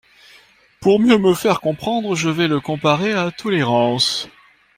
Pour mieux me faire comprendre, je vais le comparer à 'tolérance'.